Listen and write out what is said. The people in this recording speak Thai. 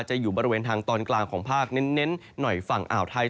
อยู่บริเวณทางตอนกลางของภาคเน้นหน่อยฝั่งอ่าวไทย